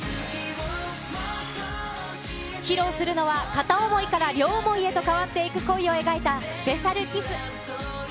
披露するのは、片思いから両思いへと変わっていく恋を描いた、ＳｐｅｃｉａｌＫｉｓｓ。